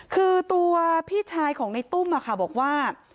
คือตัวพี่ชายของในตุ้มบอกว่า